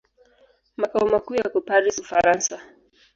Makao makuu yako Paris, Ufaransa.